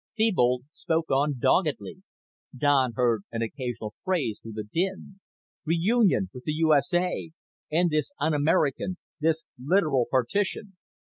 Thebold spoke on doggedly. Don heard an occasional phrase through the din. "... reunion with the U. S. A. ... end this un American, this literal partition